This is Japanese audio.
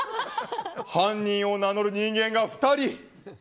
犯人を名乗る人間が２人。